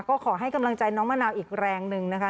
ก็ขอให้กำลังใจน้องมะนาวอีกแรงหนึ่งนะคะ